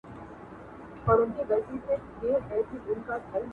د ګفتار او د کردار نه معلومیږې